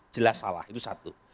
jelas salah itu satu